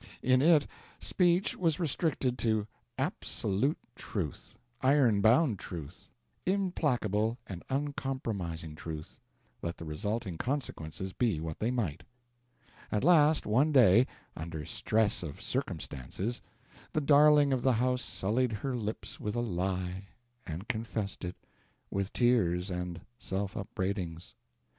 In it speech was restricted to absolute truth, iron bound truth, implacable and uncompromising truth, let the resulting consequences be what they might. At last, one day, under stress of circumstances, the darling of the house sullied her lips with a lie and confessed it, with tears and self upbraidings.